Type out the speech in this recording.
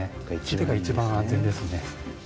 素手が一番安全ですね。